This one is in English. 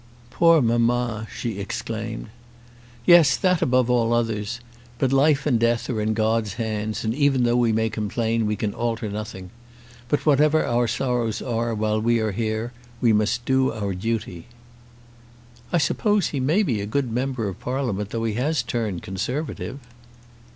"Poor mamma!" she exclaimed. "Yes; that above all others. But life and death are in God's hands, and even though we may complain we can alter nothing. But whatever our sorrows are while we are here, we must do our duty." "I suppose he may be a good Member of Parliament, though he has turned Conservative."